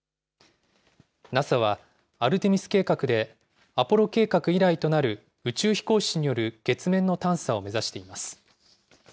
ＮＡＳＡはアルテミス計画で、アポロ計画以来となる宇宙飛行士による月面の探査を目指しています。